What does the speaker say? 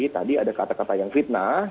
tadi ada kata kata yang fitnah